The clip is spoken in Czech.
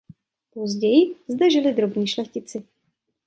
Později zde žili drobní šlechtici.